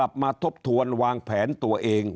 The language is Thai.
ตัวเลขการแพร่กระจายในต่างจังหวัดมีอัตราที่สูงขึ้น